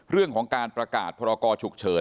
เรื่องของการประกาศพรกรฉุกเฉิน